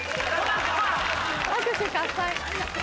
拍手喝采。